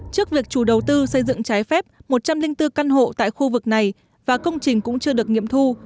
trước việc chủ đầu tư xây dựng trái phép một trăm linh bốn căn hộ tại khu vực này và công trình cũng chưa được nghiệm thu